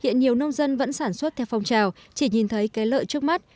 hiện nhiều nông dân vẫn sản xuất theo phong trào chỉ nhìn thấy cái lợi trước mắt